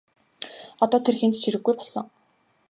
Одоо тэр хэнд ч хэрэггүй болсон.